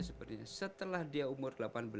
sepertinya setelah dia umur delapan belas